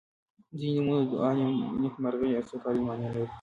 • ځینې نومونه د دعا، نیکمرغۍ او سوکالۍ معنا لري.